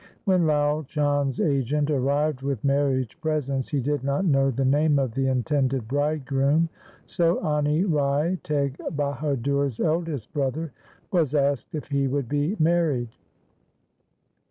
When Lai Chand's agent arrived with marriage presents, he did not know the name of the intended bridegroom, so Ani Rai, Teg Bahadur's eldest brother, was asked if he would be married.